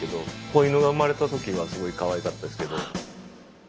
子イヌが生まれた時はすごいかわいかったですけど。